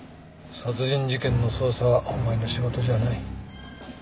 殺人事件の捜査はお前の仕事じゃない。